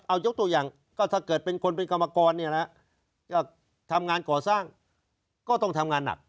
เอายกตัวอย่างก็ถ้าเกิดเป็นคนเป็นกรรมกรเนี่ยนะจะทำงานก่อสร้างก็ต้องทำงานหนัก